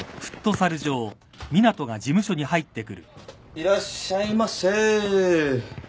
いらっしゃいませ。